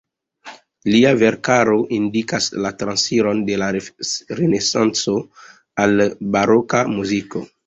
Lia verkaro indikas la transiron de la renesanco al baroka muziko.